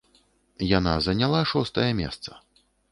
Яна заняла шостае месца.